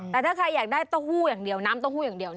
แต่ถ้าใครอยากได้เต้าหู้อย่างเดียวน้ำเต้าหู้อย่างเดียว